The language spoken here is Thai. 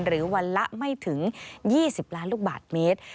หรือวันละไม่ถึง๒๐ล้านลูกบาทเมตร